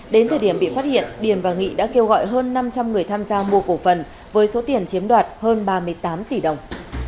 đến thời điểm bị phát hiện điền và nghị đã kêu gọi hơn năm trăm linh người tham gia mua cổ phần với số tiền chiếm đoạt hơn ba mươi tám tỷ đồng